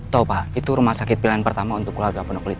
tahu pak itu rumah sakit pilihan pertama untuk keluarga penuh kulit pak